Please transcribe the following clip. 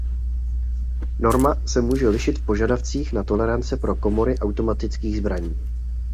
Norma se může lišit v požadavcích na tolerance pro komory automatických zbraní.